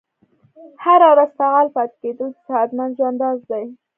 هره ورځ فعال پاتې کیدل د صحتمند ژوند راز دی.